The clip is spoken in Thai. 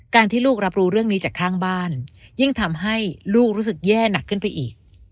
ที่ลูกรับรู้เรื่องนี้จากข้างบ้านยิ่งทำให้ลูกรู้สึกแย่หนักขึ้นไปอีก